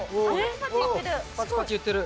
パチパチいってる。